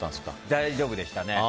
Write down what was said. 大丈夫でした。